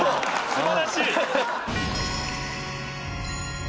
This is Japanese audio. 素晴らしい。